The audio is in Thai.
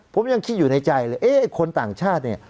ผมยังคิดอยู่ในใจเลยเอ๊ะคนต่างชาติเนี่ย